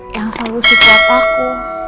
yang selalu sejati aku